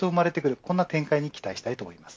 こんな展開に期待したいです。